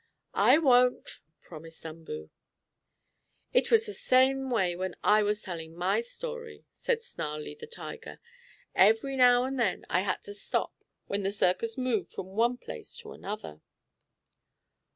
"I won't," promised Umboo. "It was the same way when I was telling my story," said Snarlie, the tiger. "Every now and then I had to stop when the circus moved from one place to another."